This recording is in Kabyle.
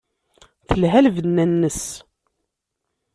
Telha lbenna-nnes.